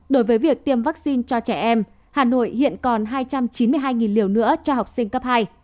đối với việc tiêm vaccine cho trẻ em hà nội hiện còn hai trăm chín mươi hai liều nữa cho học sinh cấp hai